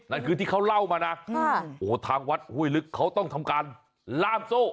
นั่นคือที่เขาเล่ามานะโอ้โหทางวัดห้วยลึกเขาต้องทำการล่ามโซ่